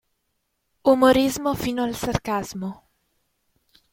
Umorismo fino al sarcasmo.